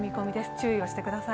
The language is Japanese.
注意をしてください。